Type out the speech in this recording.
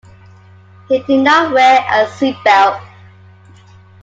He did not wear a seatbelt.